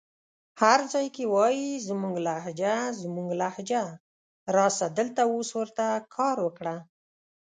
هر ځای کې وايې زموږ لهجه زموږ لهجه راسه دلته اوس ورته کار وکړه